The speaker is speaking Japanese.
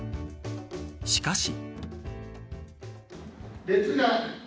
しかし。